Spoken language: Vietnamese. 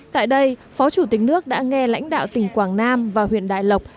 tại đây phó chủ tịch nước đã nghe lãnh đạo tỉnh quảng nam và huyện đại lộc